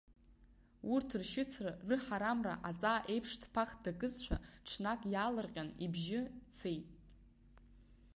Урҭ ршьыцра, рыҳарамра аҵаа еиԥш дԥах дакызшәа, ҽнак иаалырҟьан ибжьы цеит.